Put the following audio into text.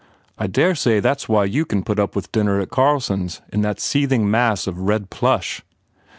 I dare say that s why you can put up with dinner at Carl son s in that seething mass of red plush."